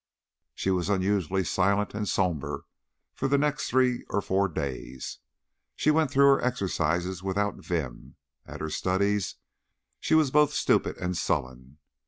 She was unusually silent and somber for the next three or four days; she went through her exercises without vim; at her studies she was both stupid and sullen.